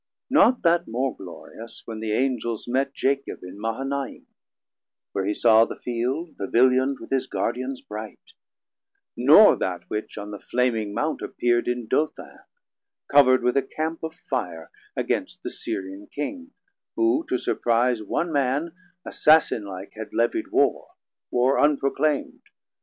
Not that more glorious, when the Angels met Jacob in Mahanaim, where he saw The field Pavilion'd with his Guardians bright; Nor that which on the flaming Mount appeerd In Dothan, cover'd with a Camp of Fire, Against the Syrian King, who to surprize One man, Assassin like had levied Warr, Warr unproclam'd.